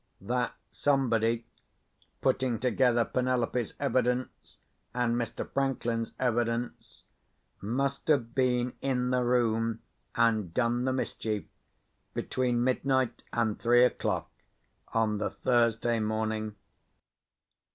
That somebody (putting together Penelope's evidence and Mr. Franklin's evidence) must have been in the room, and done the mischief, between midnight and three o'clock on the Thursday morning.